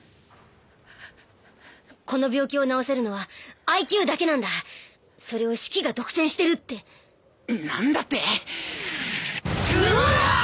この病気を治せるのはＩＱだけなんだそれをシキが独占してるってなんだって！